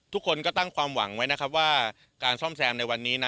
ทุกคนก็ตั้งความหวังไว้นะครับว่าการซ่อมแซมในวันนี้